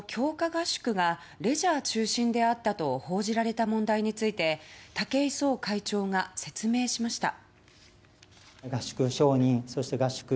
合宿がレジャー中心であったと報じられた問題について武井壮会長が説明しました。